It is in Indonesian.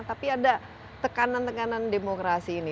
tapi ada tekanan tekanan demokrasi ini